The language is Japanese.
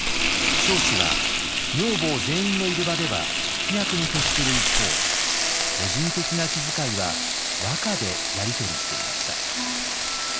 彰子は女房全員のいる場では聞き役に徹する一方個人的な気遣いは和歌でやり取りしていました。